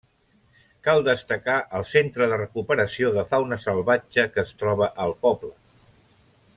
Cal destacar el centre de recuperació de fauna salvatge que es troba al poble.